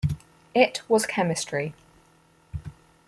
It was chemistry.